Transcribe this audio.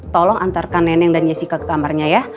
tolong antarkan neneng dan jessica ke kamarnya ya